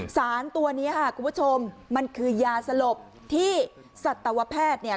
สารตัวนี้ค่ะคุณผู้ชมมันคือยาสลบที่สัตวแพทย์เนี่ย